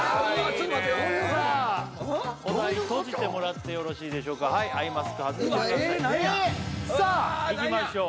ちょっと待てよああいいねさあお題閉じてもらってよろしいでしょうかはいアイマスク外してくださいさあいきましょう